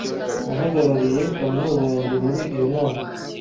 Nahagarariye kaminuza yanjye muri iyo nama.